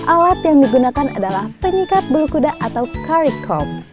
alat yang digunakan adalah penyikat bulu kuda atau karikom